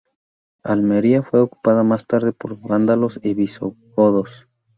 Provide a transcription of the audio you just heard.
Almería fue ocupada más tarde por vándalos y visigodos.